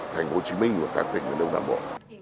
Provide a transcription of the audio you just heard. thành hồ chí minh và các tỉnh ở đông nam bộ